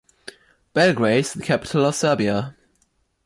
Belgrade is the capital of Serbia.